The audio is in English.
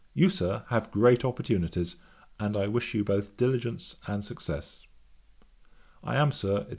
You, Sir, have great opportunities, and I wish you both diligence and success. 'I am, Sir, &c.